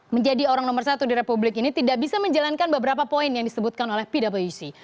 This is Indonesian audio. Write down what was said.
menjadi orang nomor satu di republik ini tidak bisa menjalankan beberapa poin yang disebutkan oleh pwc